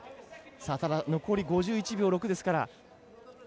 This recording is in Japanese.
残り５１秒６ですから。